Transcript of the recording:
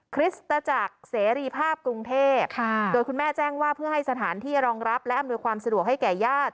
คริสตจักรเสรีภาพกรุงเทพโดยคุณแม่แจ้งว่าเพื่อให้สถานที่รองรับและอำนวยความสะดวกให้แก่ญาติ